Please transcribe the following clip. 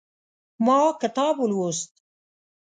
ما کتاب ولوست